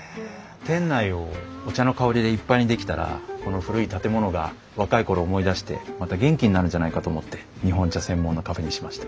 店内をお茶の香りでいっぱいにできたらこの古い建物が若い頃を思い出してまた元気になるんじゃないかと思って日本茶専門のカフェにしました。